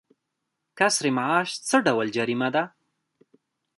کسر معاش څه ډول جریمه ده؟